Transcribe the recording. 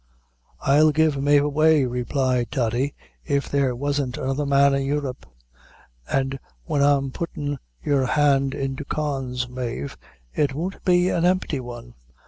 "I'll give Mave away," replied Toddy, "if there wasn't another man in Europe; an' when I'm puttin' your hand into Con's, Mave, it won't be an empty one.